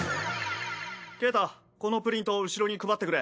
ケータこのプリント後ろに配ってくれ。